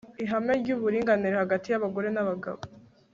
ihame ry'uburinganire hagati y'abagore n'abagabo